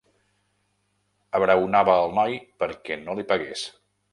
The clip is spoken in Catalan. Abraonava el noi perquè no li pegués.